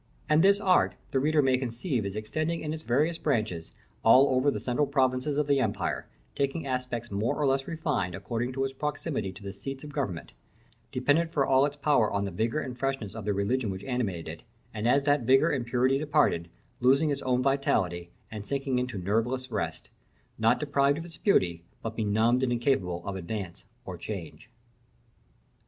And this art the reader may conceive as extending in its various branches over all the central provinces of the empire, taking aspects more or less refined, according to its proximity to the seats of government; dependent for all its power on the vigor and freshness of the religion which animated it; and as that vigor and purity departed, losing its own vitality, and sinking into nerveless rest, not deprived of its beauty, but benumbed and incapable of advance or change.